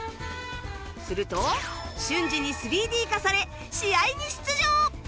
すると瞬時に ３Ｄ 化され試合に出場！